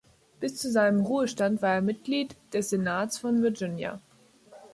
Bis zu seinem Ruhestand war er Mitglied des Senats von Virginia.